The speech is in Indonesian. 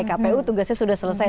kpu tugasnya sudah selesai